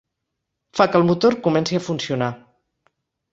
Fa que el motor comenci a funcionar.